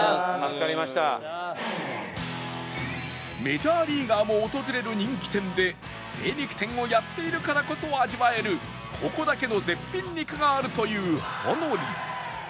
メジャーリーガーも訪れる人気店で精肉店をやっているからこそ味わえるここだけの絶品肉があるというホノリ